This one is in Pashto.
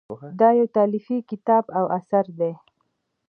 دا یو تالیفي کتاب او اثر دی.